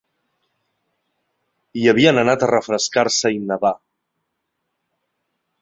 Hi havien anat a refrescar-se i nedar.